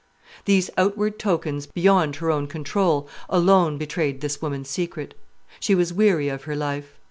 These outward tokens, beyond her own control, alone betrayed this woman's secret. She was weary of her life.